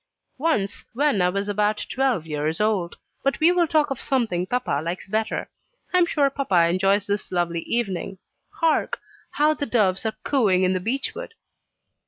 "Once, when I was about twelve years old. But we will talk of something papa likes better. I am sure papa enjoys this lovely evening. Hark! how the doves are cooing in the beech wood."